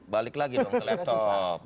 balik lagi dong ke laptop